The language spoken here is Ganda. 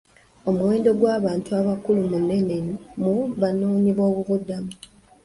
Omuwendo gw'abantu abakulu munene mu banoonyi b'obubudamu.